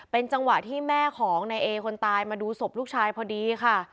เป็นจังหวะที่แม่ของนายเอคนตายมาดูศพลูกชายพอดีค่ะ